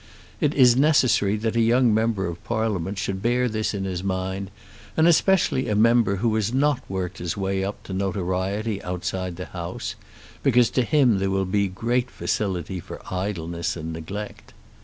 It is necessary that a young member of Parliament should bear this in his mind, and especially a member who has not worked his way up to notoriety outside the House, because to him there will be great facility for idleness and neglect.